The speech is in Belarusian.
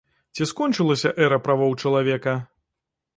Ці скончылася эра правоў чалавека?